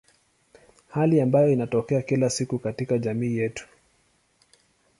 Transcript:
Hali ambayo inatokea kila siku katika jamii yetu.